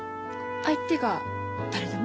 相手が誰でも？